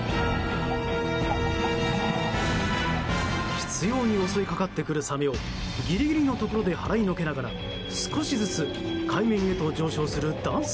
執拗に襲いかかってくるサメをギリギリのところで払いのけながら少しずつ海面へと上昇する男性。